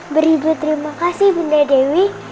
beribu terima kasih bunda dewi